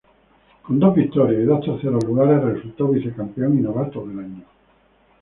Con dos victorias y dos terceros lugares, resultó vicecampeón y Novato del Año.